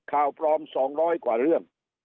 ข่าวปลอม๒๐๐กว่าเรื่อง